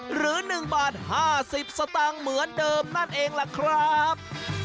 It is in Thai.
หรือ๑บาท๕๐สตางค์เหมือนเดิมนั่นเองล่ะครับ